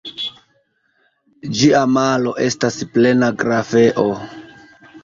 Ĝia malo estas plena grafeo.